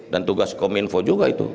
dan tugas kominfo juga itu